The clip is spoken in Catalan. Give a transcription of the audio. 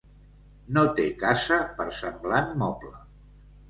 No té casa per semblant moble.